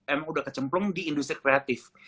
emang udah kecemplung di industri kreatif